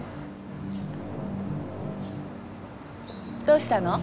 どうしたの？